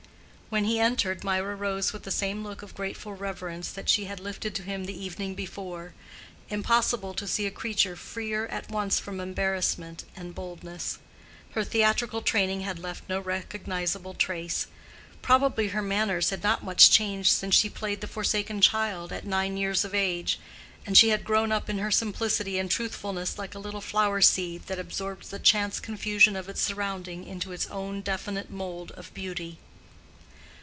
When he entered, Mirah rose with the same look of grateful reverence that she had lifted to him the evening before: impossible to see a creature freer at once from embarrassment and boldness. Her theatrical training had left no recognizable trace; probably her manners had not much changed since she played the forsaken child at nine years of age; and she had grown up in her simplicity and truthfulness like a little flower seed that absorbs the chance confusion of its surrounding into its own definite mould of beauty.